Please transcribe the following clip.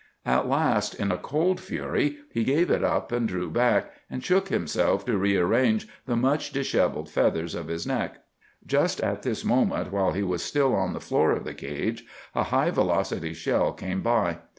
At last, in a cold fury, he gave it up, and drew back, and shook himself to rearrange the much dishevelled feathers of his neck. Just at this moment, while he was still on the floor of the cage, a high velocity shell came by.